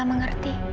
kamu mengerti mila